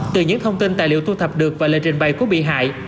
từ những thông tin tài liệu thu thập được và lời trình bày của bị hại